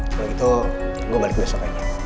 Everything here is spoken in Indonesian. cuma gitu gue balik dulu